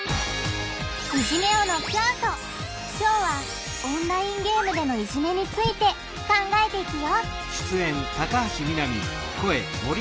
今日はオンラインゲームでのいじめについて考えていくよ！